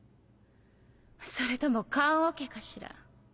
それとも棺おけかしら。